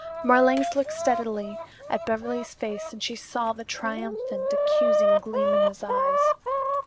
Marlanx looked steadily at Beverly's face and she saw the triumphant, accusing gleam in his eyes.